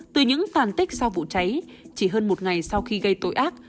từ những tàn tích sau vụ cháy chỉ hơn một ngày sau khi gây tội ác